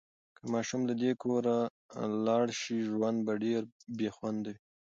که ماشوم له دې کوره لاړ شي، ژوند به ډېر بې خونده وي.